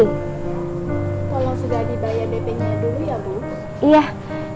kalau sudah dibayar bp nya dulu ya bang